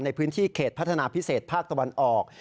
ในพื้นที่เขตพัฒนาพิเศษภาคตะวันออก